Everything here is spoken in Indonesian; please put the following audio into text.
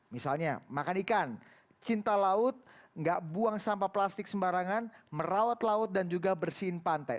misalnya makan ikan cinta laut nggak buang sampah plastik sembarangan merawat laut dan juga bersihin pantai